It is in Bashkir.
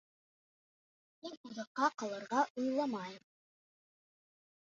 Мин оҙаҡҡа ҡалырға уйламайым